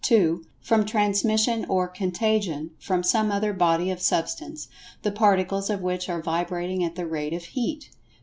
(2) From transmission or "contagion" from some other body of Substance, the Particles of which are vibrating at the rate of Heat.